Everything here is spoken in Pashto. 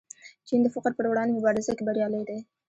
چین د فقر پر وړاندې مبارزه کې بریالی دی.